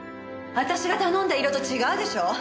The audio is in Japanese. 私が頼んだ色と違うでしょ！